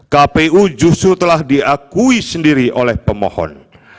kpu justru telah diakui sendiri oleh pemohon